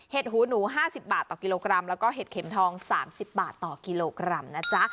เห็ดหูหนูห้าสิบบาทต่อกิโลกรัมแล้วก็เห็ดเข็มทองสามสิบบาทต่อกิโลกรัมนะจ๊ะ